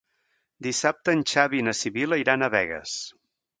Dissabte en Xavi i na Sibil·la iran a Begues.